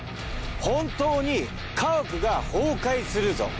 本当に家屋が崩壊するぞ。